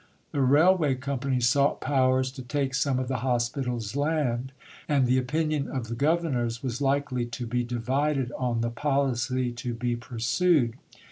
The Railway Company sought powers to take some of the Hospital's land, and the opinion of the Governors was likely to be divided on the policy to be pursued.